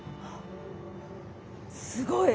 すごい。